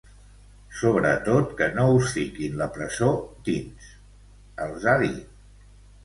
Sobretot que no us fiquin la presó dins, els ha dit.